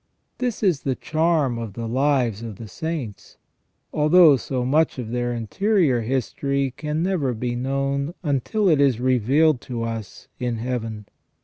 This is the charm of the lives of the saints, although so much of their interior history can never be known until it is revealed to us in Heaven.